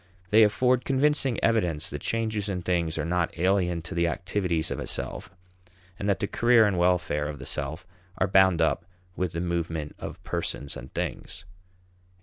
They afford convincing evidence that changes in things are not alien to the activities of a self, and that the career and welfare of the self are bound up with the movement of persons and things.